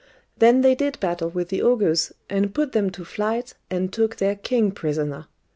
Then they did battle with the ogres, and put them to flight, and took their king prisoner.